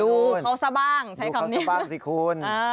ดูเขาซะบ้างใช้คำนี้ซะบ้างสิคุณ